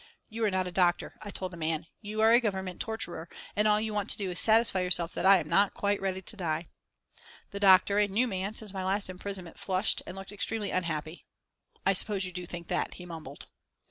"You are not a doctor," I told the man. "You are a Government torturer, and all you want to do is to satisfy yourself that I am not quite ready to die." The doctor, a new man since my last imprisonment, flushed and looked extremely unhappy. "I suppose you do think that," he mumbled.